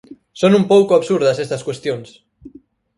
Son un pouco absurdas estas cuestións.